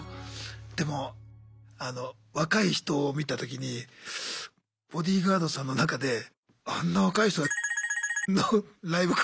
でもあの若い人を見た時にボディーガードさんの中であんな若い人がのライブ来るかなって。